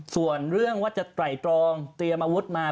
ส่วนเรื่องว่าจะไตรตรองเตรียมอาวุธมา